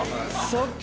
そっか。